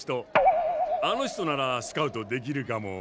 あの人ならスカウトできるかも。